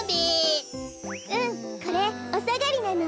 うんこれおさがりなの。